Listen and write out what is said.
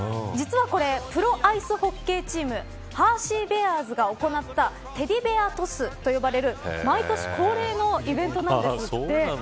実はこれプロアイスホッケーチームハーシー・ベアーズが行ったテディベアトスと呼ばれる毎年恒例のイベントなんです。